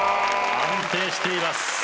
安定しています。